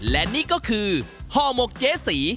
และนี่ก็คือห่อหมกเจ๊สี